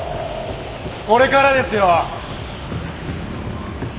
これからですよッ！